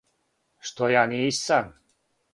Што ја нисам.